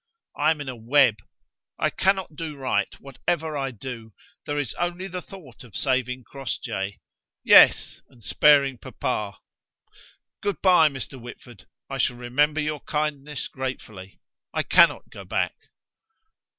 I am in a web. I cannot do right, whatever I do. There is only the thought of saving Crossjay. Yes, and sparing papa. Good bye, Mr. Whitford. I shall remember your kindness gratefully. I cannot go back."